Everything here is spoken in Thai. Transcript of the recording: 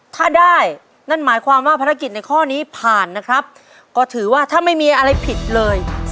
ถ้าได้นั่นหมายความว่าภารกิจในข้อนี้ผ่านนะครับก็ถือว่าถ้าไม่มีอะไรผิดเลย